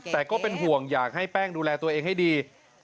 แต่ก็เป็นห่วงอยากให้แป้งดูแลตัวเองให้ดี